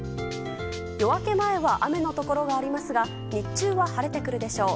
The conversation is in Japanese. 夜明け前は雨のところがありますが日中は晴れてくるでしょう。